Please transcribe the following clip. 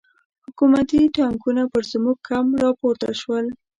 حکومتي ټانګونه پر زموږ کمپ را پورته شول.